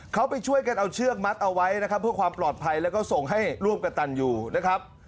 เขาไปช่วยกันเอาเชือกมัดเอาไว้นะครับเพื่อความปลอดภัยแล้วก็ส่งให้ร่วมกับตันอยู่นะครับ